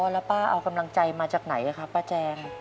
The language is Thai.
แล้วป้าเอากำลังใจมาจากไหนครับป้าแจง